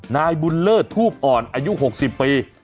นายบุญเลิศทูปอ่อนอายุ๖๐ปี